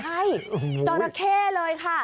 ไม่ใช่จอระเข้เลยค่ะ